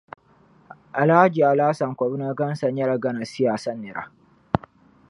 Alhaji Alhassan Kobina Ghansah nyɛla Ghana siyaasa nira.